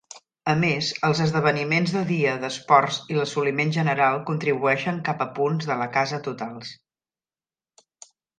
A més, els esdeveniments de dia d'esports i l'assoliment general contribueixen cap a punts de la casa totals.